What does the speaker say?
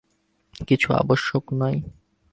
কিছু আবশ্যক নাই।